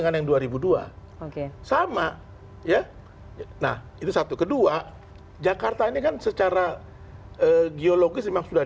nah dua ribu dua oke sama ya nah itu satu kedua jakarta ini kan secara geologis memang sudah